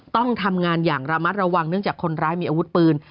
ต้องทำงานอย่างระมัดระวังเนื่องจากคนร้ายมีอาวุธปืน